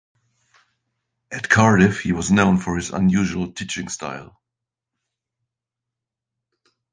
At Cardiff he was known for his unusual teaching style.